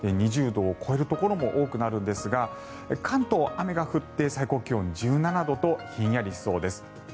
２０度を超えるところも多くなるんですが関東、雨が降って最高気温１７度とひんやりしそうです。